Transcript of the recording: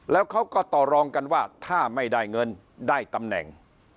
แล้วเขาก็ต่อรองกันว่าถ้าไม่ได้เงินได้ตำแหน่ง